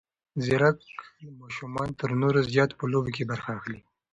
ځیرک ماشومان تر نورو زیات په لوبو کې برخه اخلي.